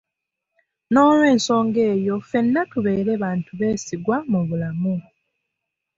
N’olw’ensonga eyo, ffena tubeere bantu beesigwa mu bulamu.